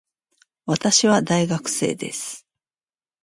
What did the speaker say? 私は大学生です。